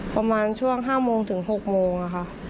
ประมาณช่วง๕โมงถึง๖โมงค่ะ